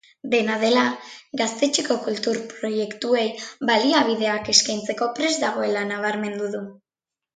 Dena dela, gaztetxeko kultur proiektuei baliabideak eskaintzeko prest dagoela nabarmendu du.